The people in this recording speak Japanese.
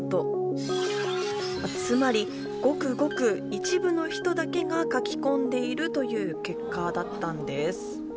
つまりごくごく一部の人だけが書き込んでいるという結果だったんです。